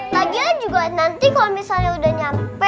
lagian juga nanti kalau misalnya udah nyampe